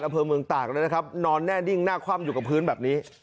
อำเภอเมืองตากแล้วนะครับนอนแน่นิ่งหน้าคว่ำอยู่กับพื้นแบบนี้